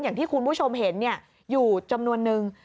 อย่างที่คุณผู้ชมเห็นอยู่จำนวนนึง